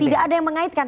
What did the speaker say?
tidak ada yang mengaitkan